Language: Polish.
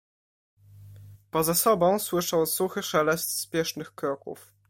"Poza sobą słyszał suchy szelest spiesznych kroków."